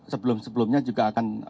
sebelum sebelumnya juga akan